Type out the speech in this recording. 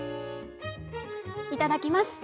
いただきます。